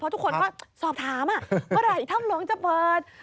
เพราะทุกคนเขาสอบถามก็เลยถ้ำหลวงจะเปิด